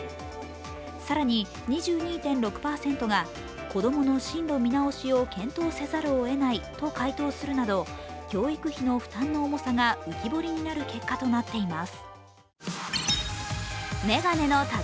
更に２２．６％が子供の進路見直しを検討せざるをえないと回答するなど教育費の負担の重さが浮き彫りになる結果となっています。